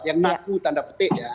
yang naku tanda petik ya